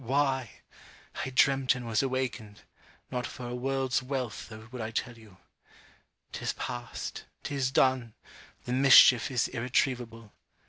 why! I dreamt and was awakened not for a world's wealth though would I tell you. 'Tis past! 'tis done! the mischief is irretrievable.